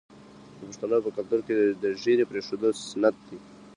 د پښتنو په کلتور کې د ږیرې پریښودل سنت دي.